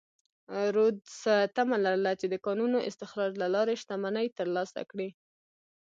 رودز تمه لرله چې د کانونو استخراج له لارې شتمنۍ ترلاسه کړي.